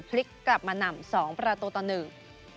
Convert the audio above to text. พลิกกลับมานำสองประตูต่อหนึ่ง